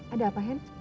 ada apa hen